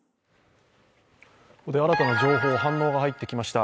ここで新たな情報、反応が入ってきました。